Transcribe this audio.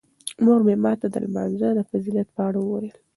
مور مې ماته د لمانځه د فضیلت په اړه وویل.